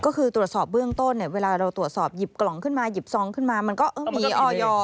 ก็คือตรวจสอบเบื้องต้นเนี่ยเวลาเราตรวจสอบหยิบกล่องขึ้นมาหยิบซองขึ้นมามันก็มีออย